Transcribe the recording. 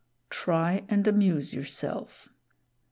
Try and amuse yourself.